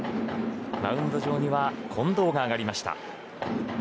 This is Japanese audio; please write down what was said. マウンド上には近藤が上がりました。